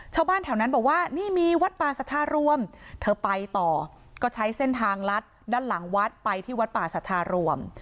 ชาวบ้านแถวนั้นบอกว่านี่มีวัดป่าสัทธารวมเธอไปต่อก็ใช้เส้นทางลัดด้านหลังวัดไปที่วัดป่าสัทธารวม